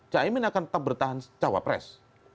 caimin akan tetap bertahan cawa pres